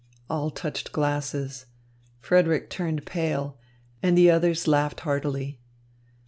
All touched glasses. Frederick turned pale, and the others laughed heartily.